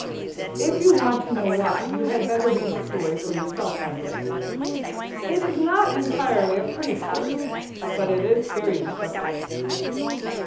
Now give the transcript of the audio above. If you want to know why, you had better read the story for yourself some day. It is not entirely a pretty story, but it is very instructive.